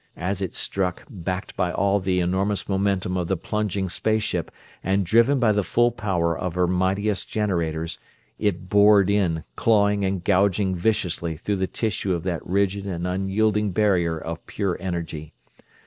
As it struck, backed by all the enormous momentum of the plunging space ship and driven by the full power of her mightiest generators, it bored in, clawing and gouging viciously through the tissue of that rigid and unyielding barrier of pure energy.